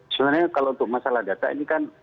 sebenarnya kalau untuk masalah data ini kan